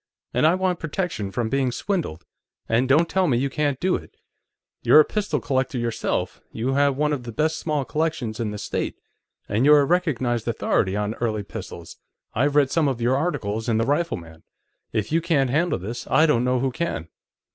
And I want protection from being swindled. And don't tell me you can't do it. You're a pistol collector, yourself; you have one of the best small collections in the state. And you're a recognized authority on early pistols; I've read some of your articles in the Rifleman. If you can't handle this, I don't know who can."